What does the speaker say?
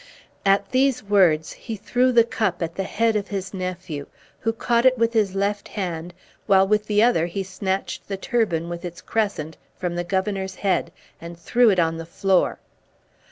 At these words he threw the cup at the head of his nephew, who caught it with his left hand, while with the other he snatched the turban, with its crescent, from the Governor's head and threw it on the floor.